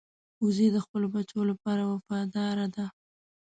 وزې د خپلو بچو لپاره وفاداره ده